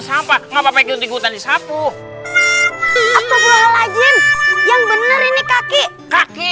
sampah ngapa ngapa kita dihutang di sapu atau halajin yang bener ini kaki kaki